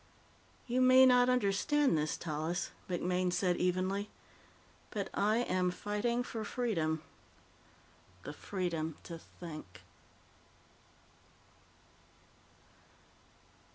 "You may not understand this, Tallis," MacMaine said evenly, "but I am fighting for freedom. The freedom to think."